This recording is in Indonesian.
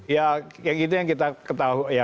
ya yang itu yang kita ketahui